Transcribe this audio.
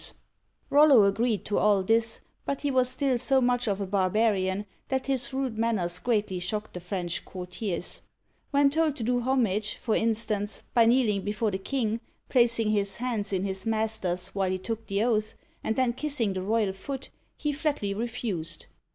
Digitized by Google CHARLES III., THE SIMPLE (898 922) 97 Rollo agreed to all this, but he was still so much of a barbarian that his rude manners greatly shocked the French courtiers. When told to do homage, for instance, by kneel ing before the king, placing his hands in his master's while he took the oath, and then kissing the royal foot, he flatly refused.